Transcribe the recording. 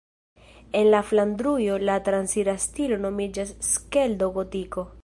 En Flandrujo la transira stilo nomiĝas Skeldo-Gotiko.